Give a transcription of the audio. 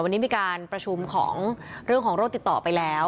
วันนี้มีการประชุมของเรื่องของโรคติดต่อไปแล้ว